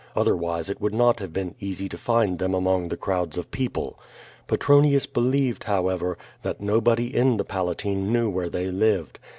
Other wise it would not have been easy to find them among the crowds of people. Petronius believed, however, that nobody in the Palatine knew where they lived.